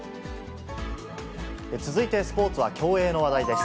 続いてスポーツは競泳の話題です。